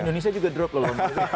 indonesia juga drop lho